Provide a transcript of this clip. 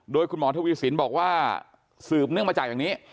โดยคุณหมอทวีสินบอกว่าสืบเนื่องมาจากอย่างนี้